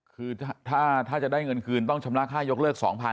คือถ้าจะได้เงินคืนต้องชำระค่ายกเลิก๒๐๐๐